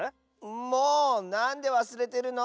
もうなんでわすれてるの！